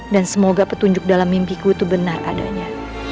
dan semoga petunjuk dalam mimpiku itu benar adanya